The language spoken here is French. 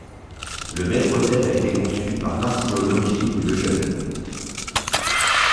Le maître-autel a été conçu par Martino Longhi le Jeune.